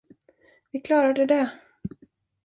Vi klarade det!